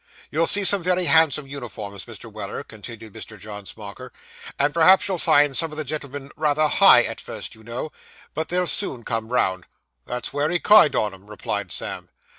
'You'll see some very handsome uniforms, Mr. Weller,' continued Mr. John Smauker; 'and perhaps you'll find some of the gentlemen rather high at first, you know, but they'll soon come round.' 'That's wery kind on 'em,' replied Sam.